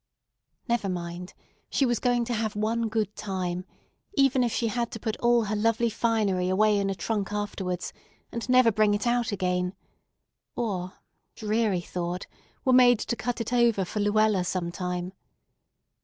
Never mind, she was going to have one good time, even if she had to put all her lovely finery away in a trunk afterwards, and never bring it out again, or—dreary thought—were made to cut it over for Luella sometime.